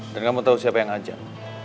dan kamu tau siapa yang ajan